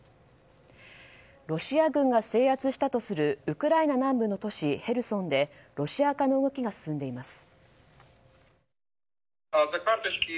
ロシア軍が制圧したとするウクライナ南部の都市ヘルソンでロシア化の動きが進んでいます。